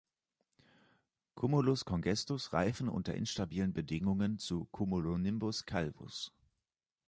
Cumulus congestus reifen unter instabilen Bedingungen zu Cumulonimbus calvus.